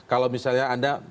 kalau misalnya anda